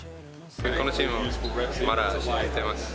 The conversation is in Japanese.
このチームをまだ信じてます。